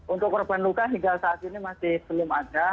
untuk korban luka hingga saat ini masih belum ada